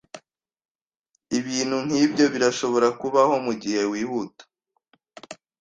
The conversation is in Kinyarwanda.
Ibintu nkibyo birashobora kubaho mugihe wihuta.